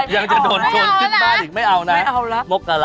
ยังจะโดนโจรขึ้นบ้านอีกไม่เอานะไม่เอาละไม่เอาละโอ้โหไม่เอาละ